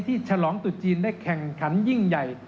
ฉลองตุดจีนได้แข่งขันยิ่งใหญ่